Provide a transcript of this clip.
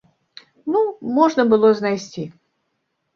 Ну, можна было знайсці.